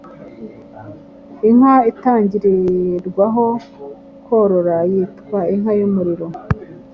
Inka itangirirwaho korora yitwa Inka y’umuriro